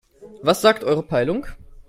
Was sagt eure Peilung?